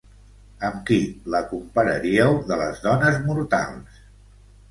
Amb qui la compararíeu de les dones mortals?